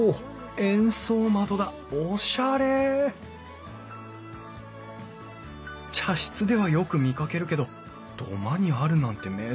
円相窓だおしゃれ茶室ではよく見かけるけど土間にあるなんて珍しい。